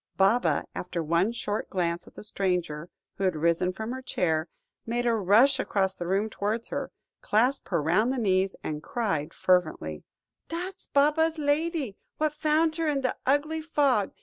Baba, after one short glance at the stranger, who had risen from her chair, made a rush across the room towards her, clasped her round the knees, and cried fervently "Dat's Baba's lady, what found her in the ugly fog.